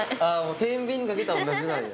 てんびんに掛けたら同じなんや。